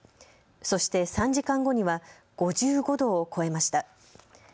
そして３時間後には５５度を超えました。